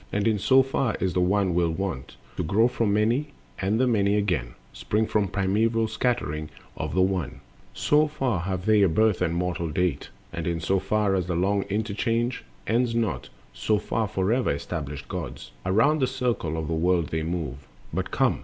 And in so far as is the One still wont To grow from Many, and the Many, again, Spring from primeval scattering of the One, So far have they a birth and mortal date; And in so far as the long interchange Ends not, so far forever established gods Around the circle of the world they move. But come!